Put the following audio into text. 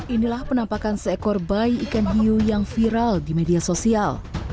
inilah penampakan seekor bayi ikan hiu yang viral di media sosial